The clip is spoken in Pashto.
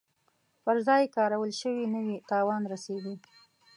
پر ځای کارول شوي نه وي تاوان رسیږي.